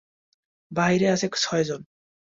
বাহিরে আছে ছয়জন।